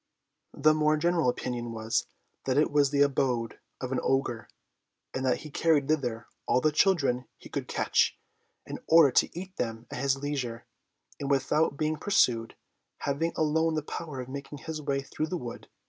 The more general opinion was, that it was the abode of an ogre; and that he carried thither all the children he could catch, in order to eat them at his leisure, and without being pursued, having alone the power of making his way through the wood.